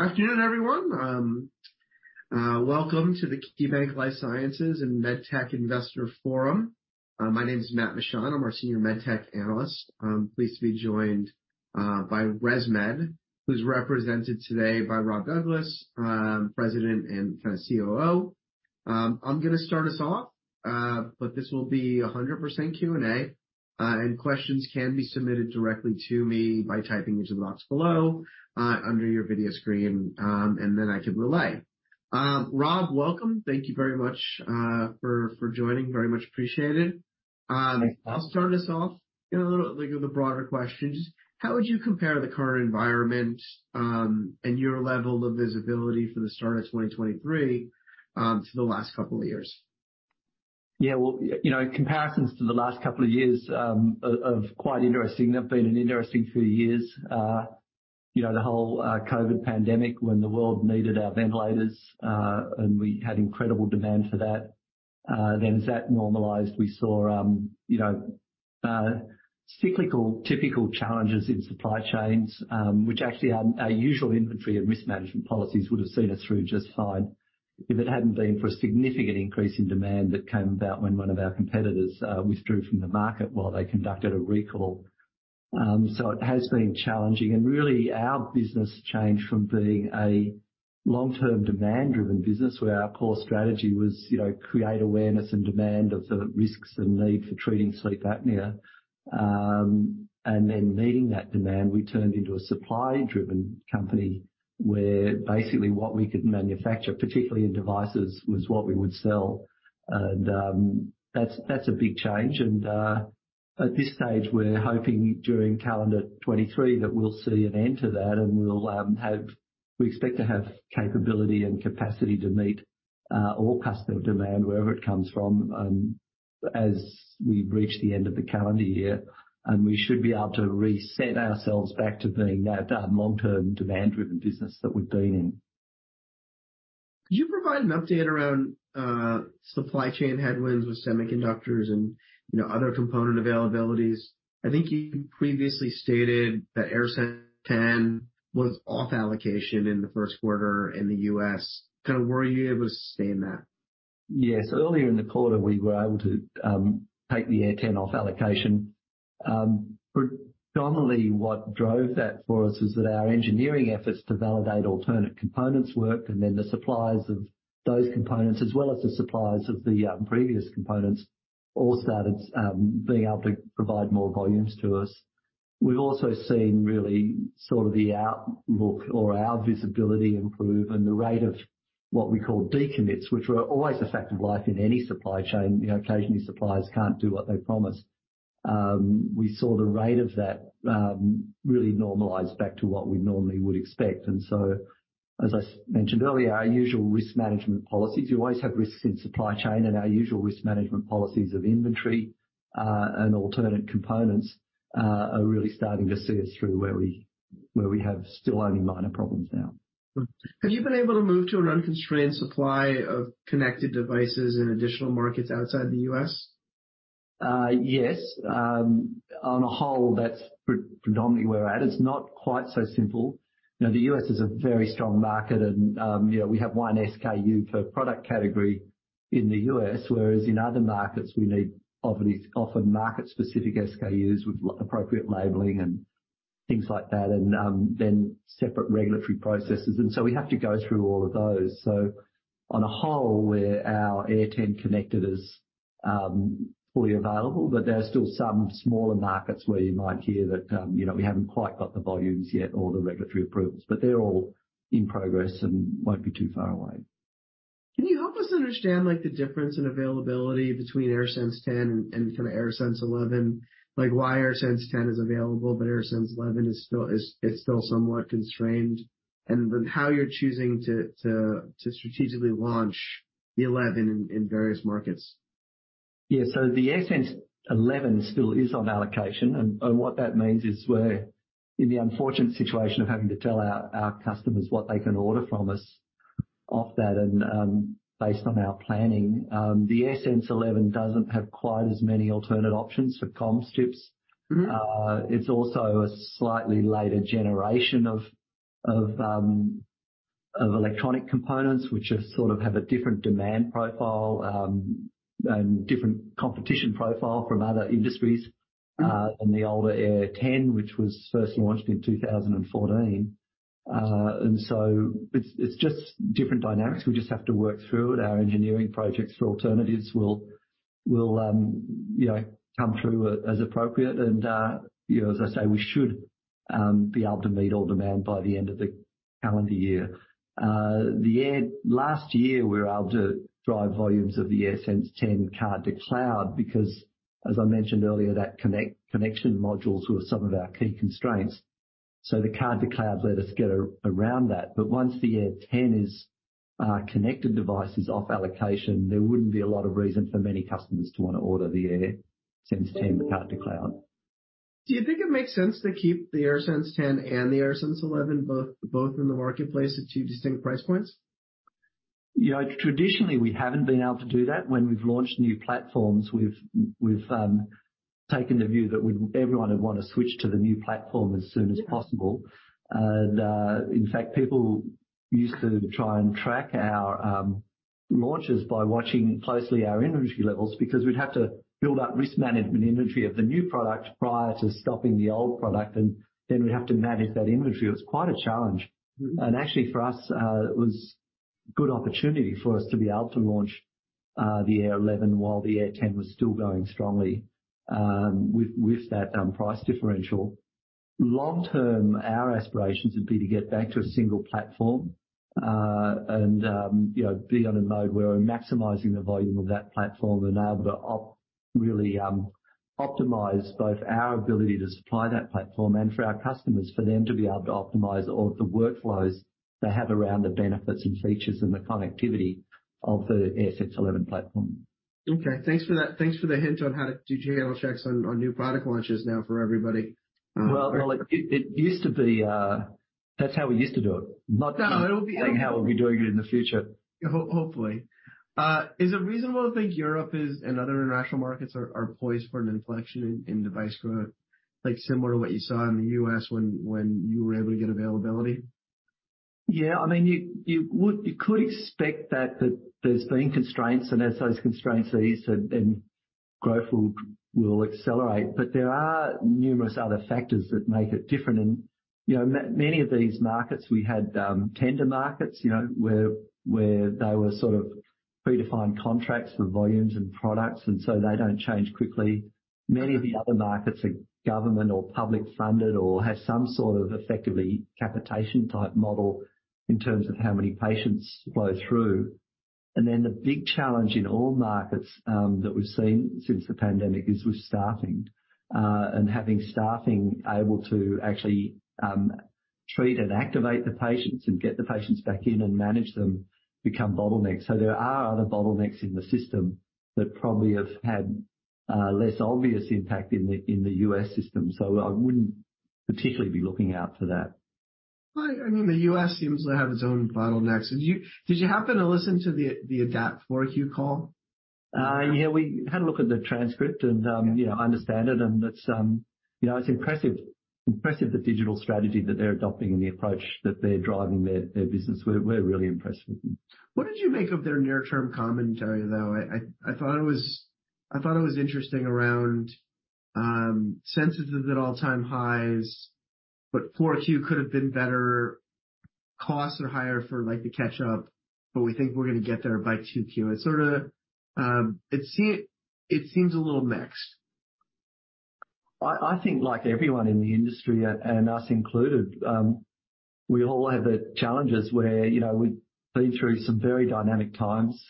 Afternoon, everyone. Welcome to the KeyBanc Life Sciences & MedTech Investor Forum. My name is Matt Mishan. I'm our Senior MedTech Analyst. I'm pleased to be joined by Resmed, who's represented today by Rob Douglas, President and kind of COO. I'm gonna start us off, but this will be 100% Q&A, and questions can be submitted directly to me by typing into the box below, under your video screen, and then I can relay. Rob, welcome. Thank you very much for joining. Very much appreciated. Thanks, Matt. I'll start us off in a little with the broader questions. How would you compare the current environment, and your level of visibility for the start of 2023, to the last couple of years? Yeah. Well, you know, comparisons to the last couple of years, are, of quite interesting. They've been an interesting few years. You know, the whole COVID pandemic when the world needed our ventilators, and we had incredible demand for that. As that normalized, we saw, you know, cyclical typical challenges in supply chains, which actually our usual inventory and risk management policies would have seen us through just fine if it hadn't been for a significant increase in demand that came about when one of our competitors, withdrew from the market while they conducted a recall. It has been challenging. Really our business changed from being a long-term demand-driven business where our core strategy was, you know, create awareness and demand of the risks and need for treating sleep apnea. Meeting that demand, we turned into a supply-driven company where basically what we could manufacture, particularly in devices, was what we would sell. That's, that's a big change. At this stage, we're hoping during calendar 2023 that we'll see an end to that and we'll, we expect to have capability and capacity to meet all customer demand wherever it comes from, as we reach the end of the calendar year. We should be able to reset ourselves back to being that long-term demand-driven business that we've been in. Could you provide an update around supply chain headwinds with semiconductors and, you know, other component availabilities? I think you previously stated that AirSense 10 was off allocation in the first quarter in the U.S. Kind of were you able to stay in that? Yes. Earlier in the quarter, we were able to take the AirSense 10 off allocation. Predominantly what drove that for us is that our engineering efforts to validate alternate components work and then the suppliers of those components as well as the suppliers of the previous components all started being able to provide more volumes to us. We've also seen really sort of the outlook or our visibility improve and the rate of what we call decommits, which were always a fact of life in any supply chain. You know, occasionally suppliers can't do what they promised. We saw the rate of that really normalize back to what we normally would expect. As I mentioned earlier, our usual risk management policies, we always have risks in supply chain and our usual risk management policies of inventory, and alternate components, are really starting to see us through where we have still only minor problems now. Have you been able to move to an unconstrained supply of connected devices in additional markets outside the U.S.? Yes. On a whole, that's predominantly where we're at. It's not quite so simple. You know, the U.S. is a very strong market and, you know, we have one SKU per product category in the U.S., whereas in other markets we need obviously often market-specific SKUs with appropriate labeling and things like that, then separate regulatory processes. We have to go through all of those. On a whole, where our AirSense 10 connected is fully available, but there are still some smaller markets where you might hear that, you know, we haven't quite got the volumes yet or the regulatory approvals. They're all in progress and won't be too far away. Can you help us understand, like, the difference in availability between AirSense 10 and kind of AirSense 11? Like, why AirSense 10 is available, but AirSense 11 is still somewhat constrained? How you're choosing to strategically launch the AirSense 11 in various markets. The AirSense 11 still is on allocation. What that means is we're in the unfortunate situation of having to tell our customers what they can order from us off that. Based on our planning, the AirSense 11 doesn't have quite as many alternate options for comms chips. Mm-hmm. It's also a slightly later generation of electronic components which are sort of have a different demand profile and different competition profile from other industries than the older AirSense 10, which was first launched in 2014. It's just different dynamics. We just have to work through it. Our engineering projects for alternatives will, you know, come through as appropriate. You know, as I say, we should be able to meet all demand by the end of the calendar year. The Air last year, we were able to drive volumes of the AirSense 10 Card-to-Cloud because as I mentioned earlier, connection modules were some of our key constraints. The Card-to-Cloud let us get around that. Once the AirSense 10 is connected devices off allocation, there wouldn't be a lot of reason for many customers to wanna order the AirSense 10 Card-to-Cloud. Do you think it makes sense to keep the AirSense 10 and the AirSense 11 both in the marketplace at two distinct price points? You know, traditionally, we haven't been able to do that. When we've launched new platforms, we've taken the view that everyone would wanna switch to the new platform as soon as possible. In fact, people used to try and track our launches by watching closely our inventory levels, because we'd have to build up risk management inventory of the new product prior to stopping the old product, and then we'd have to manage that inventory. It was quite a challenge. Actually, for us, it was good opportunity for us to be able to launch the AirSense 11 while the AirSense 10 was still going strongly, with that price differential. Long term, our aspirations would be to get back to a single platform, and, you know, be on a mode where we're maximizing the volume of that platform and able to really optimize both our ability to supply that platform and for our customers, for them to be able to optimize all the workflows they have around the benefits and features and the connectivity of the AirSense 11 platform. Okay. Thanks for that. Thanks for the hint on how to do channel checks on new product launches now for everybody. Well, it used to be. That's how we used to do it. No, it'll be... Not saying how we'll be doing it in the future. Hopefully, is it reasonable to think Europe is, and other international markets are poised for an inflection in device growth, like similar to what you saw in the U.S. when you were able to get availability? Yeah. I mean, you could expect that there's been constraints, and as those constraints ease, then growth will accelerate. There are numerous other factors that make it different. you know, many of these markets, we had tender markets, you know, where they were sort of predefined contracts for volumes and products, they don't change quickly. Many of the other markets are government or public funded or have some sort of effectively capitation type model in terms of how many patients flow through. Then the big challenge in all markets that we've seen since the pandemic is with staffing, and having staffing able to actually treat and activate the patients and get the patients back in and manage them become bottlenecks. There are other bottlenecks in the system that probably have had, less obvious impact in the, in the U.S. system. I wouldn't particularly be looking out for that. I mean, the U.S. seems to have its own bottlenecks. Did you happen to listen to the AdaptHealth 4Q call? Yeah. We had a look at the transcript and, yeah, I understand it, and it's, you know, it's impressive the digital strategy that they're adopting and the approach that they're driving their business. We're really impressed with them. What did you make of their near term commentary, though? I thought it was interesting around AirSense at all-time highs, but 4Q could have been better. Costs are higher for, like, the catch up, but we think we're gonna get there by 2Q. It sorta seems a little mixed. I think like everyone in the industry, and us included, we all have challenges where, you know, we've been through some very dynamic times.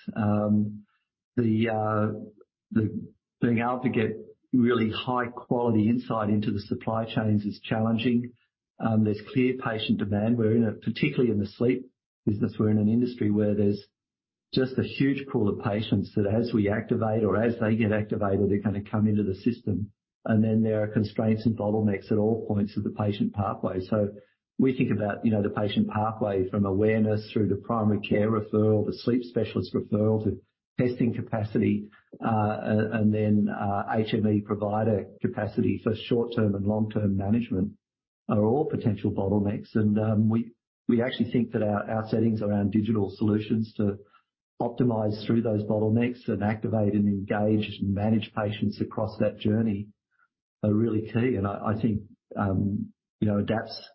The being able to get really high quality insight into the supply chains is challenging. There's clear patient demand. We're in a particularly in the sleep business, we're in an industry where there's just a huge pool of patients that as we activate or as they get activated, they kinda come into the system. There are constraints and bottlenecks at all points of the patient pathway. We think about, you know, the patient pathway from awareness through to primary care referral, the sleep specialist referral, to testing capacity, and then HME provider capacity for short-term and long-term management are all potential bottlenecks. We actually think that our settings around digital solutions to optimize through those bottlenecks and activate and engage and manage patients across that journey are really key. I think, you know, AdaptHealth's--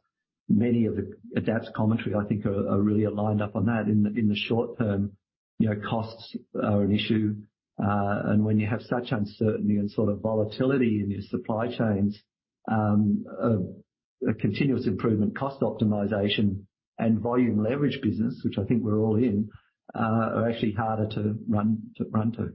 many of AdaptHealth's commentary I think are really aligned up on that. In the, in the short term, you know, costs are an issue. When you have such uncertainty and sort of volatility in your supply chains, a continuous improvement cost optimization and volume leverage business, which I think we're all in, are actually harder to run, to run to.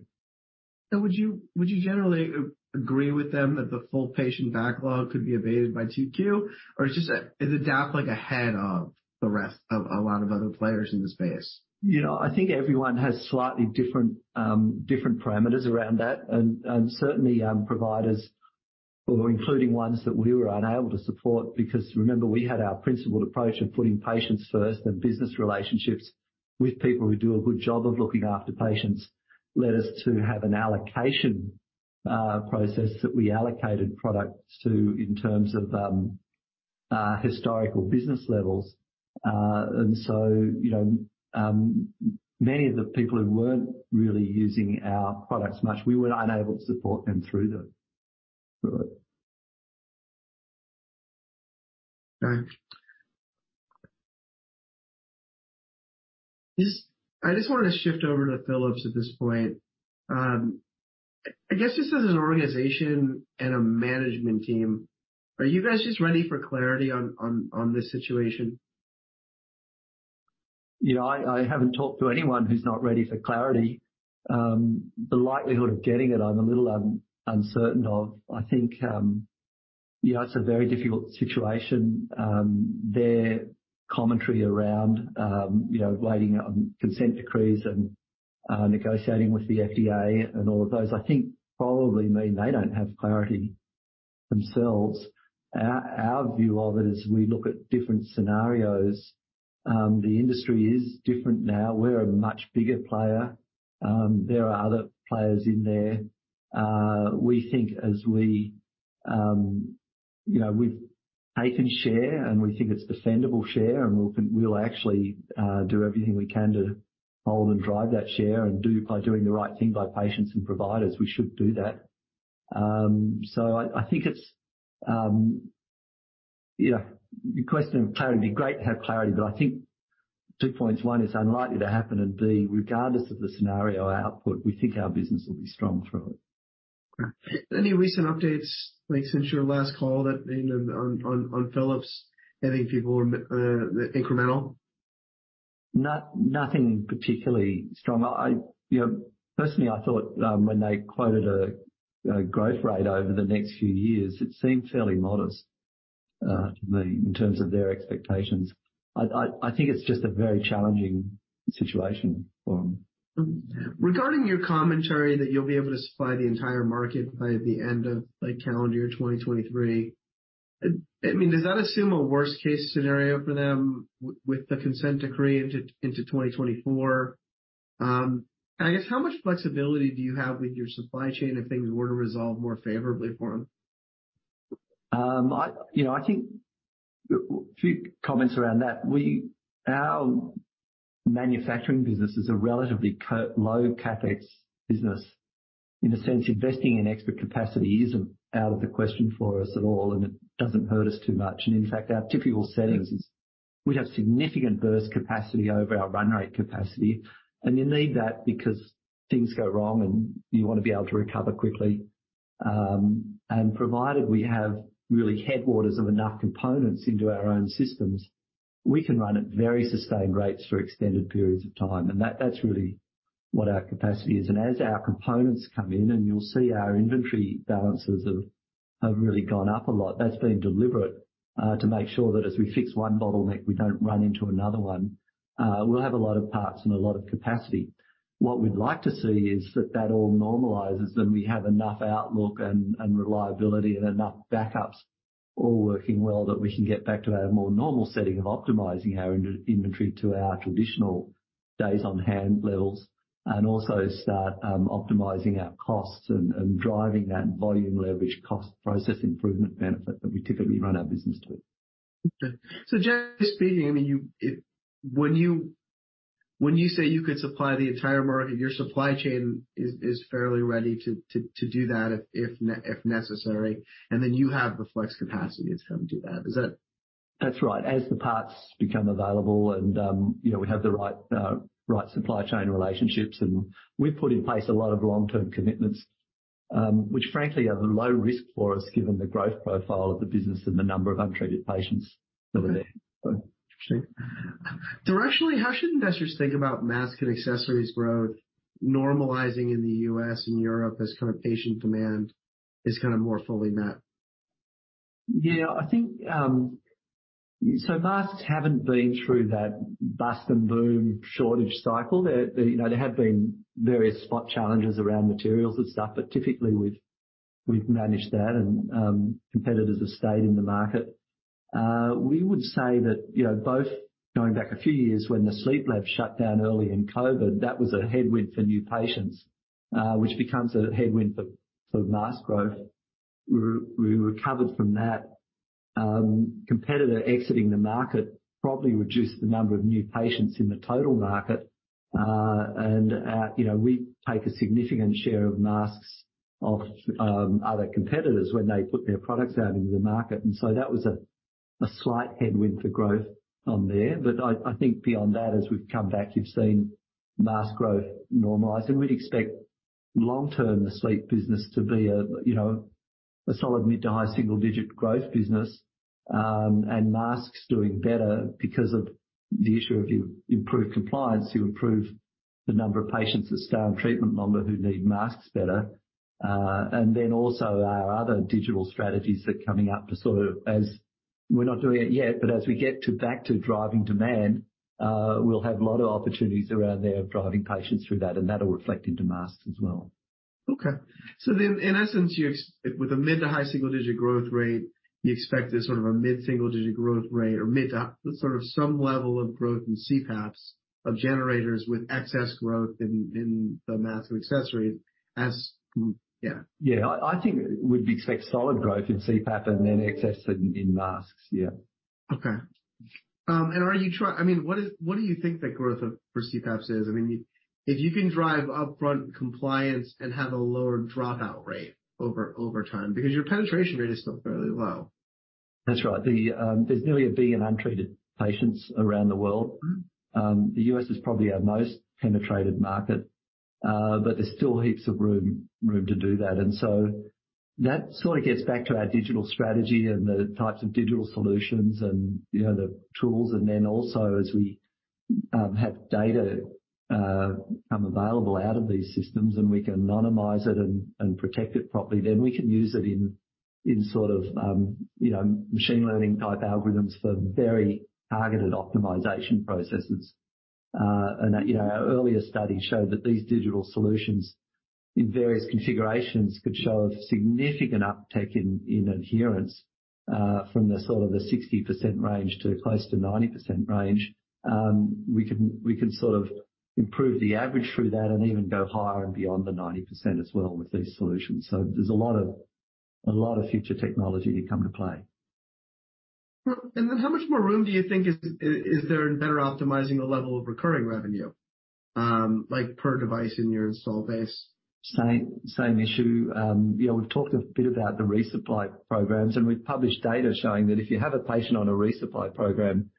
Would you generally agree with them that the full patient backlog could be abated by 2Q? Is just that is AdaptHealth, like, ahead of the rest of a lot of other players in the space? You know, I think everyone has slightly different parameters around that. Certainly, providers, or including ones that we were unable to support because remember, we had our principled approach of putting patients first and business relationships with people who do a good job of looking after patients, led us to have an allocation process that we allocated products to in terms of historical business levels. You know, many of the people who weren't really using our products much, we were unable to support them through them. Right. I just wanna shift over to Philips at this point. I guess just as an organization and a management team, are you guys just ready for clarity on this situation? You know, I haven't talked to anyone who's not ready for clarity. The likelihood of getting it, I'm a little uncertain of. I think, you know, it's a very difficult situation. Their commentary around, you know, waiting on consent decrees and negotiating with the FDA and all of those, I think probably mean they don't have clarity. Themselves. Our view of it is we look at different scenarios. The industry is different now. We're a much bigger player. There are other players in there. We think as we, you know, we've taken share, and we think it's defendable share, and we'll actually do everything we can to hold and drive that share and do by doing the right thing by patients and providers. We should do that. I think it's, you know, your question of clarity, it'd be great to have clarity, but I think two points. One, it's unlikely to happen, and B, regardless of the scenario output, we think our business will be strong through it. Any recent updates, like since your last call that ended on Philips, anything people are, incremental? Nothing particularly strong. I, you know, personally, I thought, when they quoted a growth rate over the next few years, it seemed fairly modest to me, in terms of their expectations. I think it's just a very challenging situation for them. Regarding your commentary that you'll be able to supply the entire market by the end of the calendar year 2023, I mean, does that assume a worst-case scenario for them with the consent decree into 2024? I guess how much flexibility do you have with your supply chain if things were to resolve more favorably for them? I, you know, I think a few comments around that. Our manufacturing business is a relatively low CapEx business. In a sense, investing in extra capacity isn't out of the question for us at all, and it doesn't hurt us too much. In fact, our typical settings is we have significant burst capacity over our run rate capacity, and you need that because things go wrong, and you want to be able to recover quickly. Provided we have really headwaters of enough components into our own systems, we can run at very sustained rates for extended periods of time. That's really what our capacity is. As our components come in and you'll see our inventory balances have really gone up a lot. That's been deliberate, to make sure that as we fix one bottleneck, we don't run into another one. We'll have a lot of parts and a lot of capacity. What we'd like to see is that that all normalizes, and we have enough outlook and reliability and enough backups all working well, that we can get back to our more normal setting of optimizing our in-inventory to our traditional days on hand levels, and also start, optimizing our costs and driving that volume leverage cost process improvement benefit that we typically run our business to. Just speaking, I mean, when you say you could supply the entire market, your supply chain is fairly ready to do that if necessary, and then you have the flex capacity to kind of do that? That's right. As the parts become available and, you know, we have the right supply chain relationships, and we've put in place a lot of long-term commitments, which frankly are low risk for us, given the growth profile of the business and the number of untreated patients over there. Interesting. Directionally, how should investors think about masks and accessories growth normalizing in the U.S. and Europe as kind of patient demand is kind of more fully met? Yeah, I think, masks haven't been through that bust-and-boom shortage cycle. There, you know, there have been various spot challenges around materials and stuff, but typically we've managed that and competitors have stayed in the market. We would say that, you know, both going back a few years when the sleep lab shut down early in COVID, that was a headwind for new patients, which becomes a headwind for mask growth. We recovered from that. Competitor exiting the market probably reduced the number of new patients in the total market, and, you know, we take a significant share of masks off other competitors when they put their products out into the market. That was a slight headwind for growth on there. I think beyond that, as we've come back, you've seen mask growth normalize. We'd expect long term the sleep business to be a, you know, a solid mid to high single-digit growth business, and masks doing better because of the issue of improved compliance, you improve the number of patients that stay on treatment longer who need masks better. Also our other digital strategies that are coming up to sort of we're not doing it yet, but as we get to back to driving demand, we'll have a lot of opportunities around there driving patients through that, and that'll reflect into masks as well. In essence, With a mid to high single digit growth rate, you expect a sort of a mid single digit growth rate or mid to sort of some level of growth in CPAPs of generators with excess growth in the masks or accessories as, yeah. Yeah. I think we'd expect solid growth in CPAP and then excess in masks. Yeah. Okay. I mean, what do you think that growth of, for CPAPs is? I mean, if you can drive upfront compliance and have a lower dropout rate over time because your penetration rate is still fairly low. That's right. The, there's nearly 1 billion untreated patients around the world. The U.S. is probably our most penetrated market, but there's still heaps of room to do that. That sort of gets back to our digital strategy and the types of digital solutions and, you know, the tools. Also as we have data come available out of these systems, and we can anonymize it and protect it properly, then we can use it in sort of, you know, machine learning type algorithms for very targeted optimization processes. That, you know, our earlier study showed that these digital solutions in various configurations could show a significant uptick in adherence from the sort of the 60% range to close to 90% range. We can sort of improve the average through that and even go higher and beyond the 90% as well with these solutions. There's a lot of future technology to come into play. Well, how much more room do you think is there in better optimizing the level of recurring revenue, like per device in your install base? Same, same issue. You know, we've talked a bit about the resupply programs, and we've published data showing that if you have a patient on a resupply program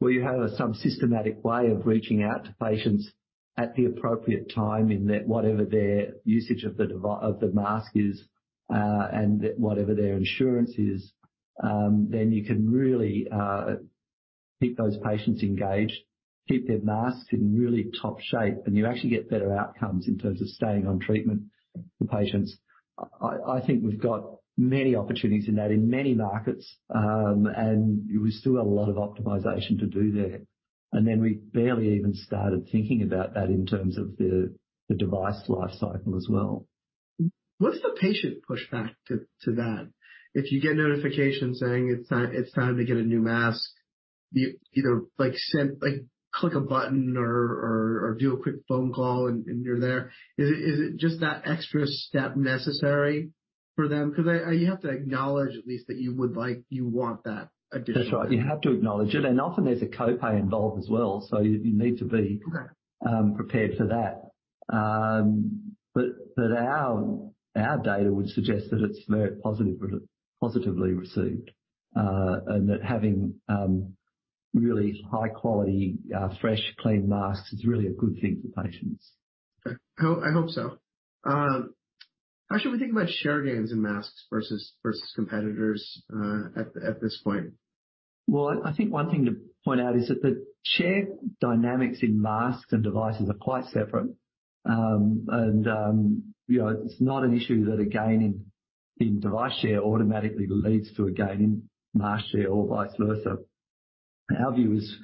where you have some systematic way of reaching out to patients at the appropriate time in that whatever their usage of the mask is, and whatever their insurance is, then you can really keep those patients engaged, keep their masks in really top shape, and you actually get better outcomes in terms of staying on treatment for patients. I think we've got many opportunities in that in many markets, and we still got a lot of optimization to do there. We've barely even started thinking about that in terms of the device lifecycle as well. What's the patient pushback to that? If you get notification saying it's time to get a new mask, you either like, send, like, click a button or do a quick phone call and you're there. Is it just that extra step necessary for them? Because you have to acknowledge at least that you want that additional- That's right. You have to acknowledge it. Often there's a copay involved as well, so you need to be- Okay. prepared for that. Our data would suggest that it's very positive, positively received, and that having really high-quality, fresh, clean masks is really a good thing for patients. Okay. I hope so. How should we think about share gains in masks versus competitors, at this point? I think one thing to point out is that the share dynamics in masks and devices are quite separate. You know, it's not an issue that a gain in device share automatically leads to a gain in mask share or vice versa. Our view is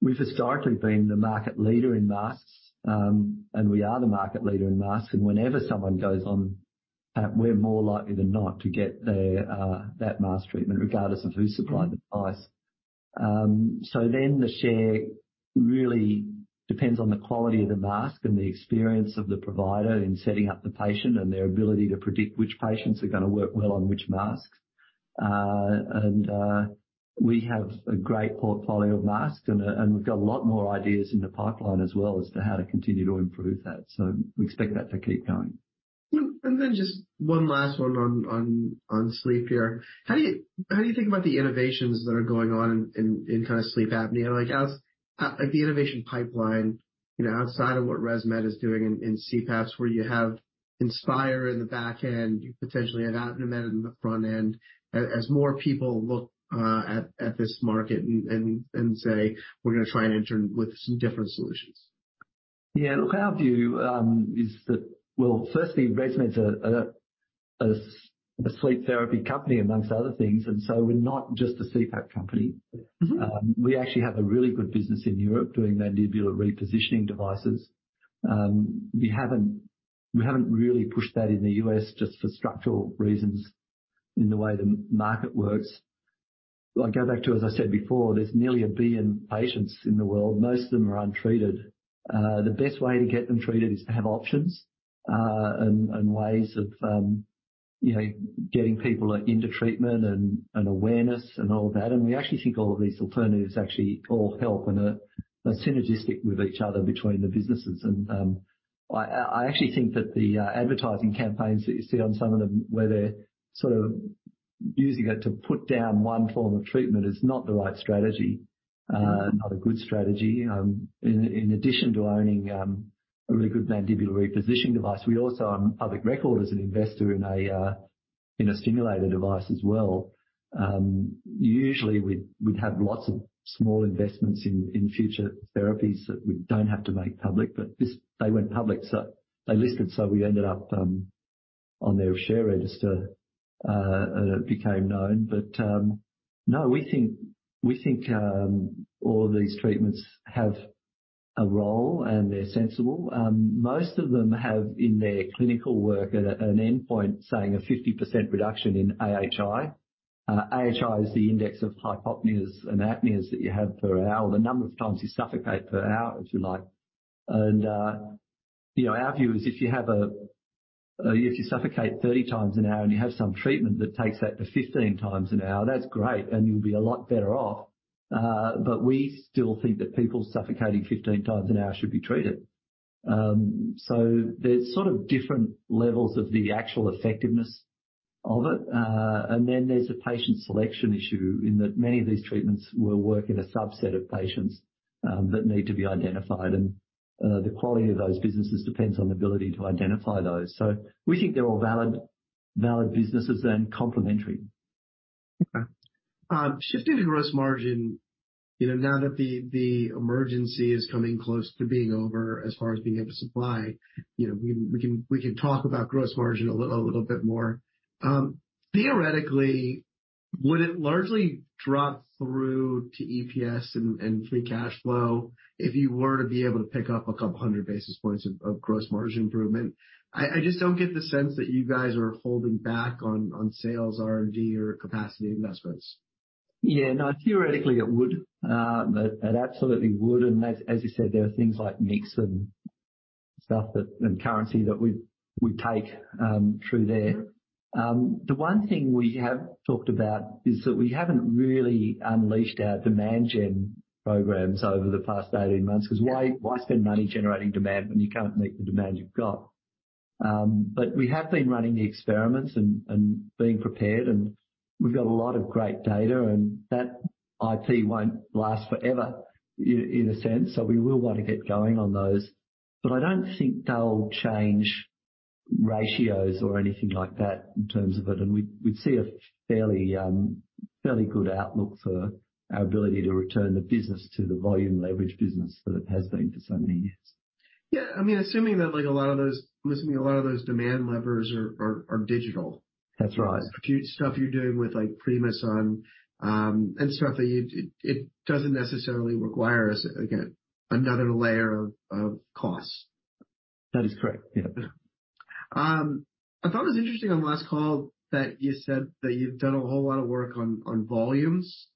we've historically been the market leader in masks. We are the market leader in masks, and whenever someone goes on that, we're more likely than not to get their that mask treatment regardless of who supplied the device. The share really depends on the quality of the mask and the experience of the provider in setting up the patient and their ability to predict which patients are gonna work well on which masks. We have a great portfolio of masks and we've got a lot more ideas in the pipeline as well as to how to continue to improve that. We expect that to keep going. Then just one last one on sleep here. How do you think about the innovations that are going on in kind of sleep apnea? Like the innovation pipeline, you know, outside of what Resmed is doing in CPAPs, where you have Inspire in the back end, potentially an Genio in the front end. As more people look at this market and say, "We're gonna try and enter with some different solutions. Yeah. Look, our view is that. Well, firstly, Resmed's a sleep therapy company amongst other things, we're not just a CPAP company. Mm-hmm. We actually have a really good business in Europe doing mandibular repositioning devices. We haven't really pushed that in the U.S. just for structural reasons in the way the market works. If I go back to, as I said before, there's nearly a billion patients in the world. Most of them are untreated. The best way to get them treated is to have options, and ways of, you know, getting people into treatment and awareness and all of that. We actually think all of these alternatives actually all help and are synergistic with each other between the businesses. I actually think that the advertising campaigns that you see on some of them, where they're sort of using it to put down one form of treatment is not the right strategy. Mm-hmm. Not a good strategy. In addition to owning a really good mandibular repositioning device, we also are on public record as an investor in a stimulator device as well. Usually we'd have lots of small investments in future therapies that we don't have to make public, but this, they went public, so they listed, so we ended up on their share register, and it became known. No, we think all of these treatments have a role, and they're sensible. Most of them have in their clinical work an endpoint saying a 50% reduction in AHI. AHI is the index of hypopneas and apneas that you have per hour, the number of times you suffocate per hour, if you like. You know, our view is if you have a, if you suffocate 30x an hour and you have some treatment that takes that to 15x an hour, that's great and you'll be a lot better off. We still think that people suffocating 15x an hour should be treated. There's sort of different levels of the actual effectiveness of it. there's a patient selection issue in that many of these treatments will work in a subset of patients, that need to be identified. The quality of those businesses depends on the ability to identify those. We think they're all valid businesses and complementary. Okay. Shifting to gross margin, you know, now that the emergency is coming close to being over as far as being able to supply, you know, we can talk about gross margin a little bit more. Theoretically, would it largely drop through to EPS and free cash flow if you were to be able to pick up 200 basis points of gross margin improvement? I just don't get the sense that you guys are holding back on sales, R&D or capacity investments. No, theoretically it would. That absolutely would. As you said, there are things like mix and stuff that and currency that we'd take through there. The one thing we have talked about is that we haven't really unleashed our demand gen programs over the past 18 months, 'cause why spend money generating demand when you can't meet the demand you've got? We have been running the experiments and being prepared, and we've got a lot of great data, and that IP won't last forever in a sense. We will wanna get going on those. I don't think they'll change ratios or anything like that in terms of it. We'd see a fairly good outlook for our ability to return the business to the volume leverage business that it has been for so many years. Yeah. I mean, assuming that like I'm assuming a lot of those demand levers are digital. That's right. Stuff you're doing with like Primasun, and stuff that it doesn't necessarily require again, another layer of costs. That is correct. Yeah. I thought it was interesting on last call that you said that you've done a whole lot of work on volumes.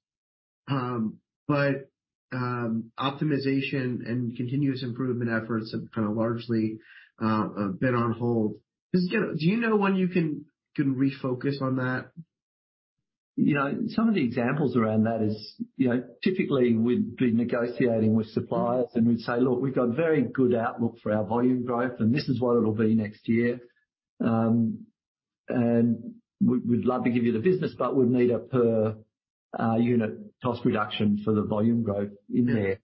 Optimization and continuous improvement efforts have kinda largely been on hold. Just, you know, do you know when you can refocus on that? You know, some of the examples around that is, you know, typically we'd be negotiating with suppliers, and we'd say, "Look, we've got very good outlook for our volume growth, and this is what it'll be next year. We'd love to give you the business, but we'd need a per unit cost reduction for the volume growth in there."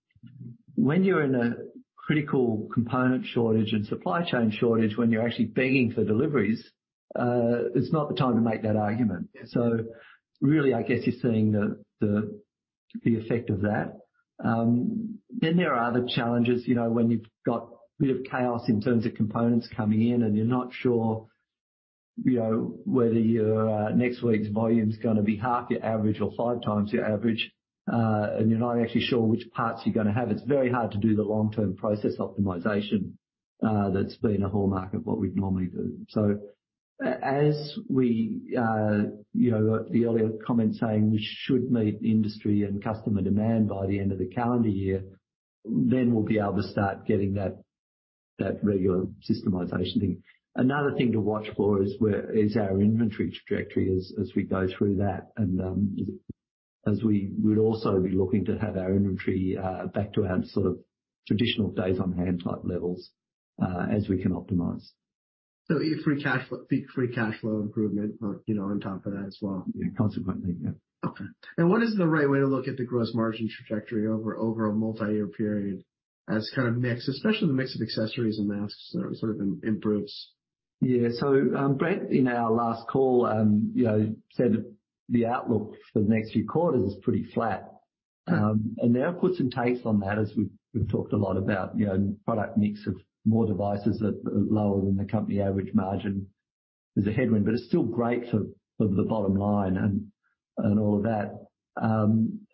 When you're in a critical component shortage and supply chain shortage, when you're actually begging for deliveries, it's not the time to make that argument. Really, I guess you're seeing the effect of that. Then there are other challenges, you know, when you've got a bit of chaos in terms of components coming in and you're not sure, you know, whether your next week's volume's gonna be half your average or five times your average, and you're not actually sure which parts you're gonna have, it's very hard to do the long-term process optimization, that's been a hallmark of what we'd normally do. As we, you know, the earlier comment saying we should meet industry and customer demand by the end of the calendar year, then we'll be able to start getting that regular systemization thing. Another thing to watch for is our inventory trajectory as we go through that and as we would also be looking to have our inventory back to our sort of traditional days on hand type levels as we can optimize. Free cash flow improvement, you know, on top of that as well. Yeah. Consequently. Yeah. Okay. What is the right way to look at the gross margin trajectory over a multi-year period as kind of mix, especially the mix of accessories and masks sort of improves? Brent in our last call, you know, said the outlook for the next few quarters is pretty flat. And there are puts and takes on that as we've talked a lot about, you know, product mix of more devices that are lower than the company average margin is a headwind, but it's still great for the bottom line and all of that.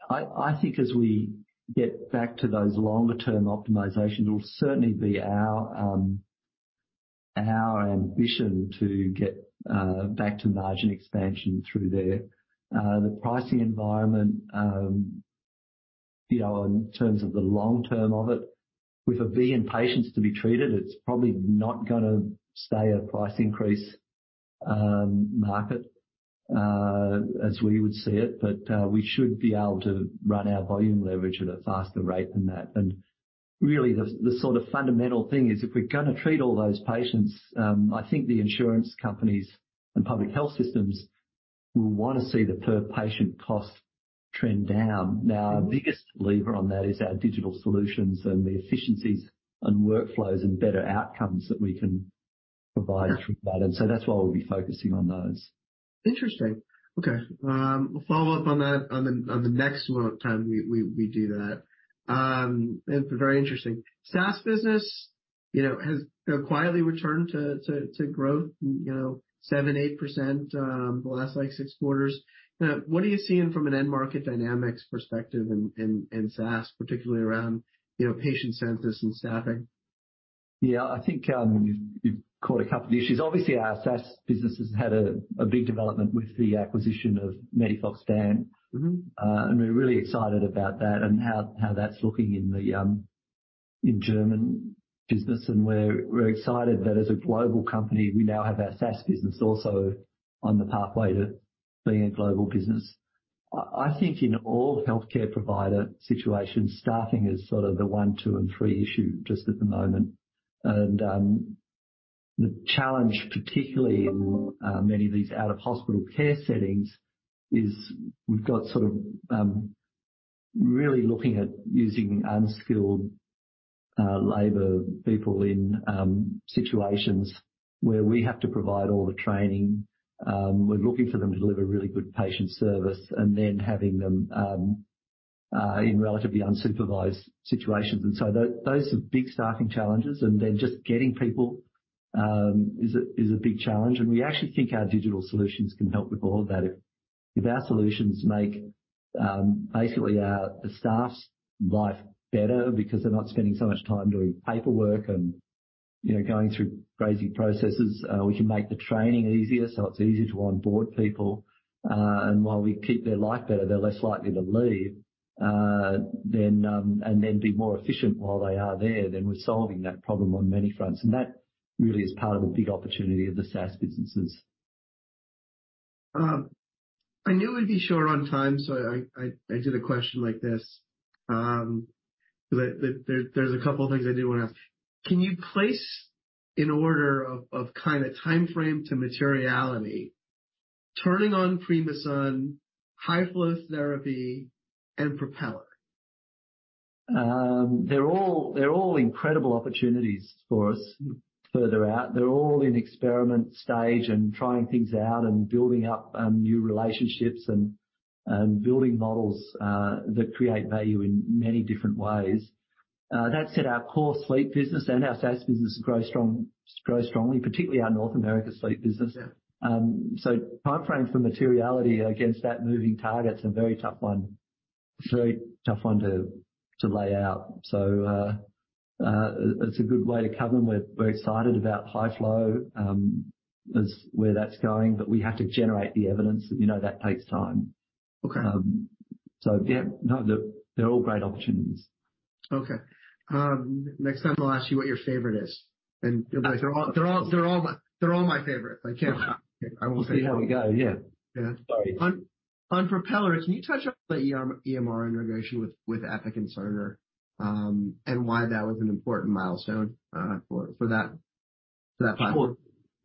I think as we get back to those longer term optimizations, it'll certainly be our ambition to get back to margin expansion through there. The pricing environment, you know, in terms of the long term of it, with a billion patients to be treated, it's probably not gonna stay a price increase market as we would see it. We should be able to run our volume leverage at a faster rate than that. Really, the sort of fundamental thing is if we're gonna treat all those patients, I think the insurance companies and public health systems will wanna see the per patient cost trend down. Now, our biggest lever on that is our digital solutions and the efficiencies and workflows and better outcomes that we can provide through that. That's why we'll be focusing on those. Interesting. Okay. We'll follow up on that on the next time we do that. Very interesting. SaaS business, you know, has, you know, quietly returned to growth, you know, 7%-8% the last, like, six quarters. Now, what are you seeing from an end market dynamics perspective in SaaS, particularly around, you know, patient census and staffing? Yeah. I think you've caught a couple of issues. Obviously, our SaaS business has had a big development with the acquisition of MEDIFOX DAN. Mm-hmm. We're really excited about that and how that's looking in the German business. We're excited that as a global company, we now have our SaaS business also on the pathway to being a global business. I think in all healthcare provider situations, staffing is sort of the one, two and three issue just at the moment. The challenge, particularly in many of these out-of-hospital care settings is we've got sort of really looking at using unskilled labor people in situations where we have to provide all the training. We're looking for them to deliver really good patient service and then having them in relatively unsupervised situations. Those are big staffing challenges, and then just getting people is a big challenge. We actually think our digital solutions can help with all of that. If our solutions make, basically the staff's life better because they're not spending so much time doing paperwork and, you know, going through crazy processes, we can make the training easier, so it's easier to onboard people. While we keep their life better, they're less likely to leave, then, and then be more efficient while they are there, then we're solving that problem on many fronts. That really is part of the big opportunity of the SaaS businesses. I knew we'd be short on time. I did a question like this. There's a couple of things. Can you place an order of kinda timeframe to materiality, turning on Primasun, high-flow therapy and Propeller? They're all incredible opportunities for us further out. They're all in experiment stage and trying things out and building up, new relationships and building models, that create value in many different ways. That said, our core sleep business and our SaaS business grow strongly, particularly our North America sleep business. Yeah. Timeframes for materiality against that moving target is a very tough one. It's a very tough one to lay out. It's a good way to cover them. We're excited about high-flow, as where that's going, but we have to generate the evidence. You know, that takes time. Okay. Yeah. No, they're all great opportunities. Okay. next time I'll ask you what your favorite is. You'll be like, "They're all my favorite." I can't, I won't say. We'll see how we go. Yeah. Yeah. Sorry. On Propeller, can you touch on the EMR integration with Epic and Cerner, and why that was an important milestone for that platform? Sure.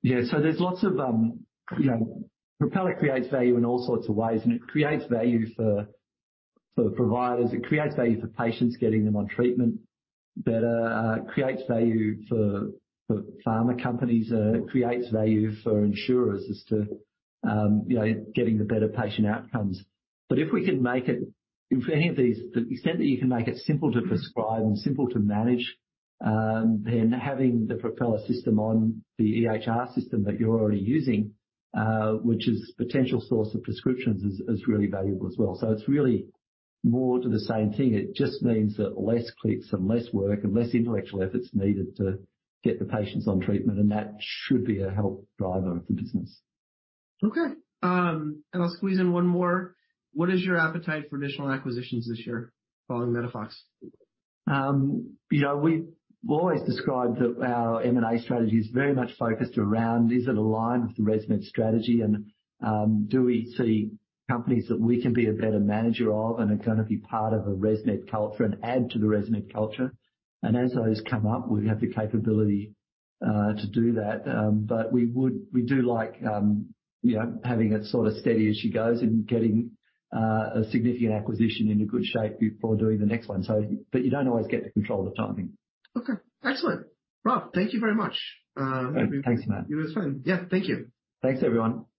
Yeah. There's lots of... You know, Propeller creates value in all sorts of ways, and it creates value for providers. It creates value for patients getting them on treatment better. It creates value for pharma companies. It creates value for insurers as to, you know, getting the better patient outcomes. If we can make it, if any of these, the extent that you can make it simple to prescribe and simple to manage, then having the Propeller system on the EHR system that you're already using, which is potential source of prescriptions is really valuable as well. It's really more to the same thing. It just means that less clicks and less work and less intellectual effort is needed to get the patients on treatment, and that should be a help driver for business. Okay. I'll squeeze in one more. What is your appetite for additional acquisitions this year following MEDIFOX DAN? You know, we've always described that our M&A strategy is very much focused around, is it aligned with the Resmed strategy and, do we see companies that we can be a better manager of and are gonna be part of a Resmed culture and add to the Resmed culture? As those come up, we have the capability to do that. But we do like, you know, having it sort of steady as she goes and getting a significant acquisition into good shape before doing the next one. But you don't always get to control the timing. Okay. Excellent. Rob, thank you very much. Thanks, Matt. It was fun. Yeah. Thank you. Thanks, everyone.